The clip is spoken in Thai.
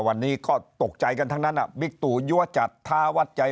วันนี้ก็ตกใจกันทั้งนั้นบิ๊กตู่ยัวจัดท้าวัดใจ